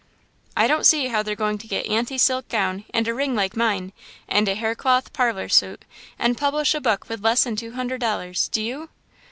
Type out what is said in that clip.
"I don't see how they're going to get Aunty's silk gown and a ring like mine and a haircloth parlour suit and publish a book with less than two hundred dollars, do you?"